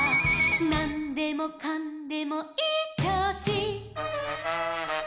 「なんでもかんでもいいちょうし」